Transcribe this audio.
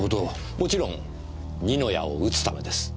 もちろん二の矢を打つためです。